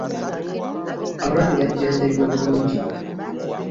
Abalwadde bajjanjabibwa bulungi.